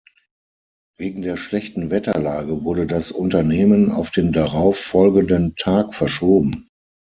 Wegen der schlechten Wetterlage wurde das Unternehmen auf den darauf folgenden Tag verschoben.